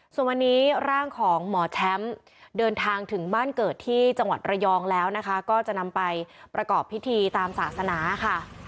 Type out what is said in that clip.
ส่วนวันนี้ร่างของหมอแชมป์เดินทางถึงบ้านเกิดที่จังหวัดระยองแล้วนะคะก็จะนำไปประกอบพิธีตามศาสนาค่ะ